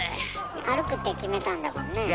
歩くって決めたんだもんね。